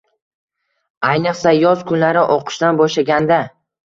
Ayniqsa, yoz kunlari o’qishdan bo’shaganda